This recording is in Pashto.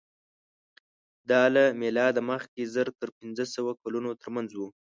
دا له مېلاده مخکې زر تر پینځهسوه کلونو تر منځ وو.